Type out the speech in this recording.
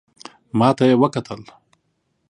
ماته یې وکتل .